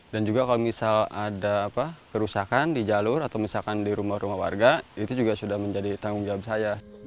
dan juga kalau misal ada kerusakan di jalur atau misalkan di rumah rumah warga itu juga sudah menjadi tanggung jawab saya